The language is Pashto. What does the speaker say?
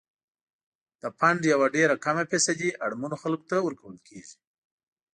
د فنډ یوه ډیره کمه فیصدي اړمنو خلکو ته ورکول کیږي.